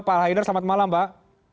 pak al haidar selamat malam mbak